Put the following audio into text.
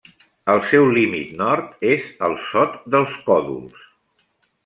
El seu límit nord és el Sot dels Còdols.